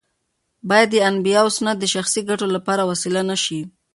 باید د انبیاوو سنت د شخصي ګټو لپاره وسیله نه شي.